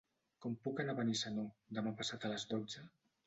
Com puc anar a Benissanó demà passat a les dotze?